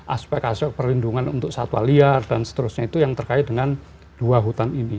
aspek aspek perlindungan untuk satwa liar dan seterusnya itu yang terkait dengan dua hutan ini